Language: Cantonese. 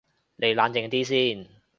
你冷靜啲先